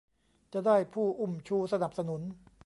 จะได้ผู้อุ้มชูสนับสนุน